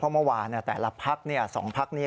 เพราะเมื่อวานแต่ละพักสองพักนี้